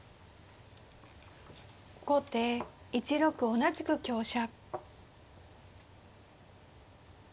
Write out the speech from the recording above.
後手１六同じく香車。